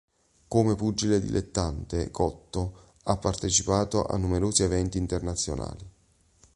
Come pugile dilettante Cotto ha partecipato a numerosi eventi internazionali.